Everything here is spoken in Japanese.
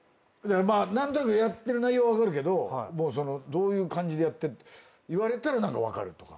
まあ何となくやってる内容は分かるけどどういう感じでやって言われたら何か分かるとか。